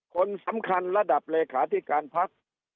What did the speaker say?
คนสำคัญระดับเลขาธิการพัก